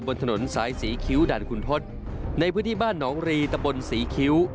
บนถนนสายศรีคิ้วด่านขุนทศในพื้นที่บ้านหนองรีตะบนศรีคิ้ว